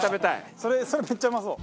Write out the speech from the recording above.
それめっちゃうまそう。